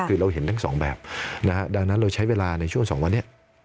คือเราเห็นทั้งสองแบบนะฮะดังนั้นเราใช้เวลาในช่วงสองวันนี้